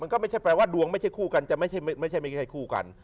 มันก็ไม่ใช่แปลว่าดวงไม่ใช่คู่กันไม่ใช่มีใครคู่กัน